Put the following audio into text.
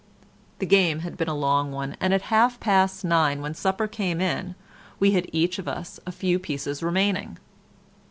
The game had been a long one, and at half past nine, when supper came in, we had each of us a few pieces remaining.